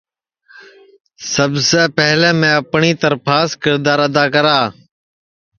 سب پہلے میں اپٹؔی ترپھاس کِردار ادا کرا